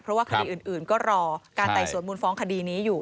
เพราะว่าคดีอื่นก็รอการไต่สวนมูลฟ้องคดีนี้อยู่